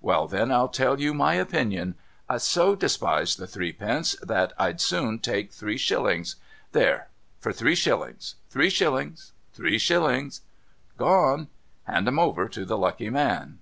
Well then, I'll tell you my opinion. I so despise the threepence, that I'd sooner take three shillings. There. For three shillings, three shillings, three shillings ! Gone. Hand 'em over to the lucky man.'